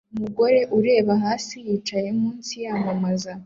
Umugore ureba hasi yicaye munsi yamamaza